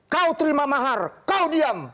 kau terima mahar kau diam